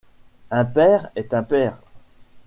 Un père est un père.